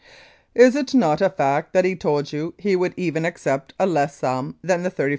Is it not a fact he told you he would even accept a less sum than the $35,000?